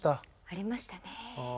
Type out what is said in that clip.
ありましたね。